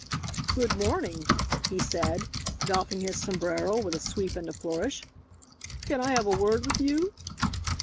"Good morning," he said, doffing his sombrero with a sweep and a flourish; "can I have a word with you?"